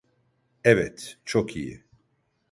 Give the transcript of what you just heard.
Evet, çok iyi.